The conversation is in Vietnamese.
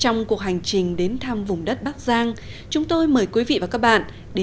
trong cuộc hành trình đến thăm vùng đất bắc giang chúng tôi mời quý vị và các bạn đến với một bản tin